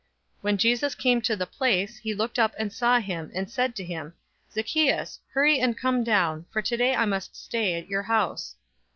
019:005 When Jesus came to the place, he looked up and saw him, and said to him, "Zacchaeus, hurry and come down, for today I must stay at your house."